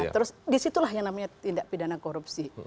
terus di situlah yang namanya tindak pidana korupsi